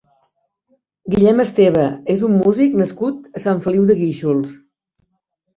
Guillem Esteva és un músic nascut a Sant Feliu de Guíxols.